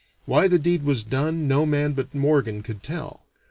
Why the deed was done, no man but Morgan could tell.